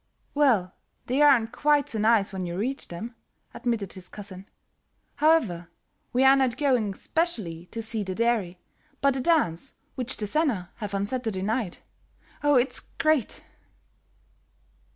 "Well, they aren't quite so nice when you reach them," admitted his cousin; "however, we are not going specially to see the dairy but the dance which the sennern have on Saturday night. Oh, it's great."